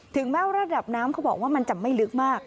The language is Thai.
ถึงแม้ว่าระดับน้ำเขาบอกว่ามันจะไม่ลึกมาก